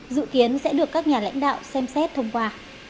dự kiến sẽ được các nhà lãnh đạo xem xét thông qua